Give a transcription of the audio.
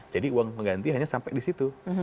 jadi uang pengganti hanya sampai di situ